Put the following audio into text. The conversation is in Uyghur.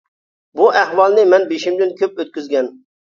بۇ ئەھۋالنى مەن بېشىمدىن كۆپ ئۆتكۈزگەن.